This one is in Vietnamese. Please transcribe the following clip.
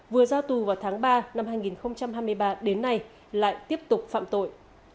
vừa ra tù vào tháng ba năm hai nghìn hai mươi ba đến nay lại tiếp tục phạm tội